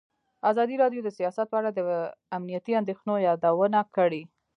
ازادي راډیو د سیاست په اړه د امنیتي اندېښنو یادونه کړې.